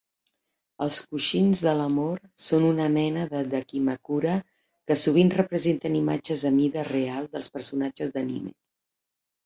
Els coixins de l'amor són una mena de "dakimakura" que sovint representen imatges a mida real dels personatges d'anime.